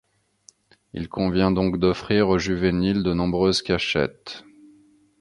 Il convient donc d'offrir aux juvéniles de nombreuses cachettes.